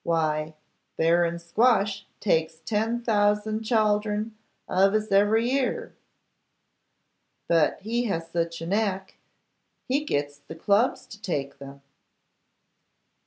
Why, Baron Squash takes ten thousand chaldron of us every year; but he has such a knack, he gits the Clubs to take them.